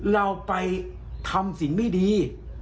เราไปทำสิ่งไม่ดี